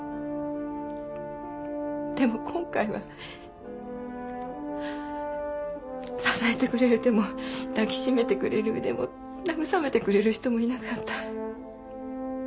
でも今回は支えてくれる手も抱きしめてくれる腕も慰めてくれる人もいなかった。